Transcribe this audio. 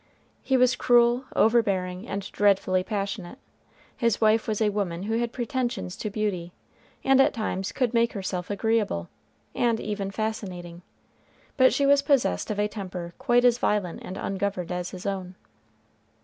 He was cruel, overbearing, and dreadfully passionate. His wife was a woman who had pretensions to beauty, and at times could make herself agreeable, and even fascinating, but she was possessed of a temper quite as violent and ungoverned as his own.